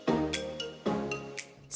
melakukan penyimpanan atau caching